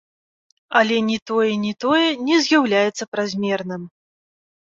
Але ні тое, ні тое не з'яўляецца празмерным.